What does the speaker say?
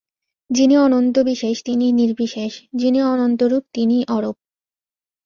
যিনি অনন্তবিশেষ তিনিই নির্বিশেষ, যিনি অনন্তরূপ তিনিই অরূপ।